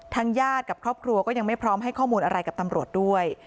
ญาติกับครอบครัวก็ยังไม่พร้อมให้ข้อมูลอะไรกับตำรวจด้วย